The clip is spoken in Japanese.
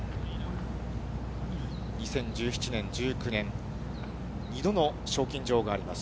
２０１７年、１９年、２度の賞金女王があります。